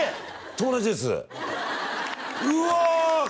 友達ですうわ！